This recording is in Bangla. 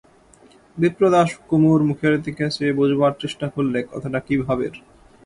বিপ্রদাস কুমুর মুখের দিকে চেয়ে বোঝবার চেষ্টা করলে কথাটা কী ভাবের।